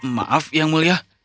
maaf yang mulia